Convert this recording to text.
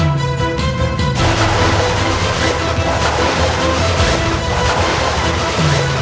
jangan pake primera ke shades dong